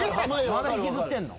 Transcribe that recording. まだ引きずってんの？